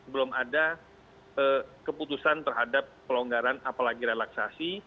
belum ada keputusan terhadap pelonggaran apalagi relaksasi